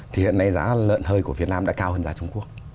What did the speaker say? thì hiện nay giá lợn hơi của việt nam đã cao hơn giá trung quốc